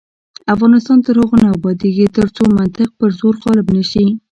افغانستان تر هغو نه ابادیږي، ترڅو منطق پر زور غالب نشي.